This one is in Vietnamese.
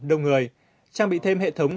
đông người trang bị thêm hệ thống